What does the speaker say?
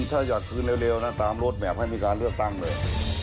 ถ้าอยากคืนเร็วนะตามรถแบบให้มีการเลือกตั้งเลย